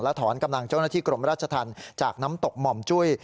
ถอนกำลังเจ้าหน้าที่กรมราชธรรมจากน้ำตกหม่อมจุ้ย